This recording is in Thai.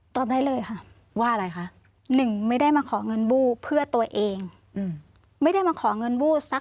ตอบได้เลยค่ะ